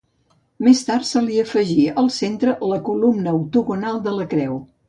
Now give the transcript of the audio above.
Més tard se li afegí al centre la columna octogonal de la creu.